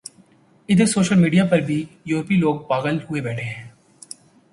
ادھر social media پر بھی ، یورپی لوگ پاغل ہوئے بیٹھے ہیں ۔